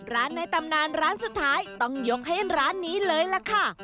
ในตำนานร้านสุดท้ายต้องยกให้ร้านนี้เลยล่ะค่ะ